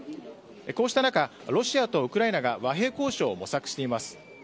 こうした中ロシアとウクライナが和平交渉を模索しています。